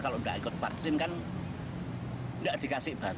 kalau tidak ikut vaksin kan tidak dikasih bantuan